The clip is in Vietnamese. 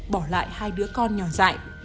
bỏ lại hai đứa con nhỏ dại